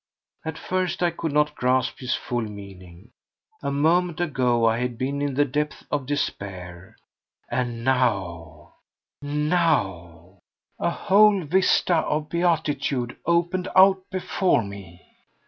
At first I could not grasp his full meaning. A moment ago I had been in the depths of despair, and now—now—a whole vista of beatitude opened out before me!